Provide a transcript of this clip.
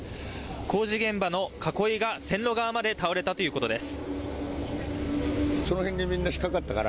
工事現場の囲いが線路側まで倒れたということです。